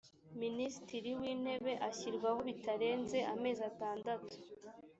minisitiri w’intebe ashyirwaho bitarenze amezi atandatu